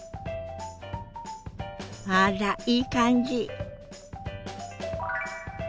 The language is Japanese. あらいい感じ！